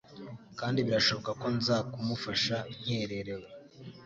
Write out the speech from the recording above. kandi birashoboka ko nza kumufasha nkererewe